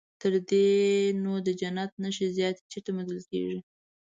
تر دې نو د جنت نښې زیاتې چیرته موندل کېږي.